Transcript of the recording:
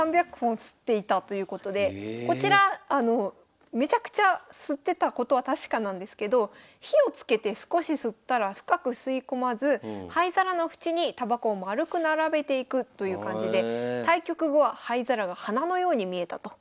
こちらめちゃくちゃ吸ってたことは確かなんですけど火をつけて少し吸ったら深く吸い込まず灰皿の縁にたばこをまるく並べていくという感じで対局後は灰皿が花のように見えたと。